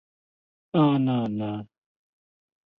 类短肋黄耆是豆科黄芪属的植物。